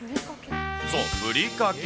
そう、ふりかけ。